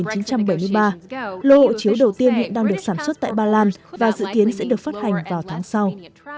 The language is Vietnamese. hộ chiếu đầu tiên hiện đang được sản xuất tại ba lan và dự kiến sẽ được phát hành vào tháng sau